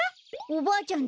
おばあちゃん